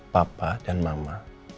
papa dan mama